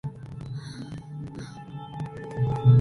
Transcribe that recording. Consideremos "k" corredores en una pista circular de largo unidad.